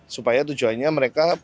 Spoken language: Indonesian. supaya tujuannya mereka pulang